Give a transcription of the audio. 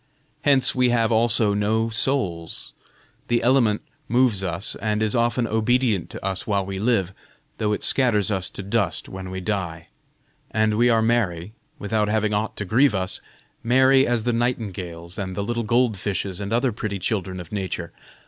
Hence we have also no souls; the element moves us, and is often obedient to us while we live, though it scatters us to dust when we die; and we are merry, without having aught to grieve us merry as the nightingales and the little gold fishes and other pretty children of nature.